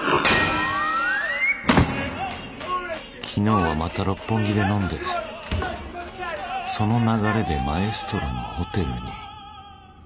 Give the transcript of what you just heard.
昨日はまた六本木で飲んでその流れでマエストロのホテルに